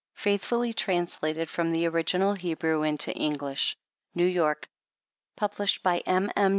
FAITHFnLLY TRANSLATED FROM THE ORIGINAL HEBREW INTO ENGLISH. NEW YORK : PUBLISHED BY M. M.